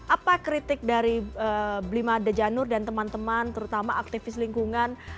apa kritik dari blima dejanur dan teman teman terutama aktivis lingkungan